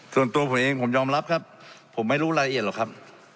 ส่วนตัวผมเองผมยอมรับครับผมไม่รู้รายละเอียดหรอกครับ